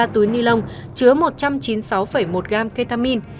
ba túi ni lông chứa một trăm chín mươi sáu một gram ketamin